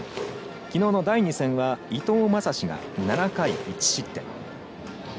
きのうの第２戦は伊藤将司が７回１失点。